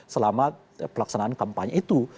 selama pelaksanaan kampanye itu